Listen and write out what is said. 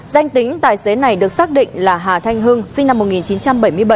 danh tính tài xế này được xác định là hà thanh hưng sinh năm một nghìn chín trăm bảy mươi bảy